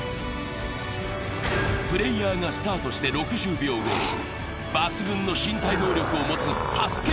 プレイヤーがスタートして６０秒後、抜群の身体能力を持つＳＡＳＵＫＥ